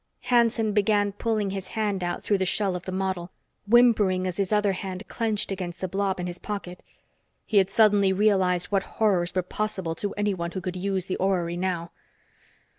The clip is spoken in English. Hanson began pulling his hand out through the shell of the model, whimpering as his other hand clenched against the blob in his pocket. He had suddenly realized what horrors were possible to anyone who could use the orrery now.